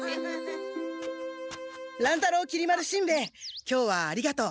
乱太郎きり丸しんべヱ今日はありがとう。